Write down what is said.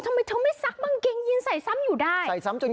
ทำไมเธอไม่ซักทางเกงยีนใส่ซ้ำอยู่ได้